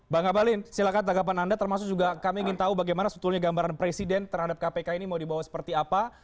bang abalin silahkan tanggapan anda termasuk juga kami ingin tahu bagaimana sebetulnya gambaran presiden terhadap kpk ini mau dibawa seperti apa